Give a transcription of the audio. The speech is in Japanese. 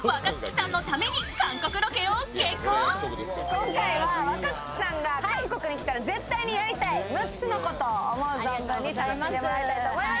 今回は若槻さんが韓国に来たら絶対にやりたい６つのことを思う存分に楽しんでもらいたいと思います。